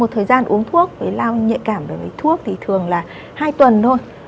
một thời gian uống thuốc với lao nhạy cảm đối với thuốc thì thường là hai tuần thôi